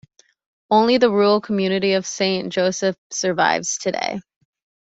Only the rural community of Saint Joseph survives today.